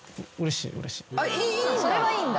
それは。いいんだ。